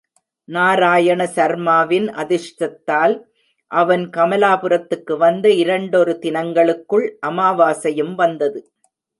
நாராயண சர்மாவின் அதிருஷ்டத்தால், அவன் கமலாபுரத்துக்கு வந்த இரண்டொரு தினங்களுக்குள் அமாவாசையும் வந்தது.